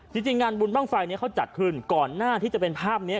จริงงานบุญบ้างไฟนี้เขาจัดขึ้นก่อนหน้าที่จะเป็นภาพนี้